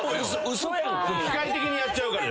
機械的にやっちゃうから。